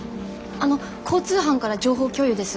あの交通班から情報共有です。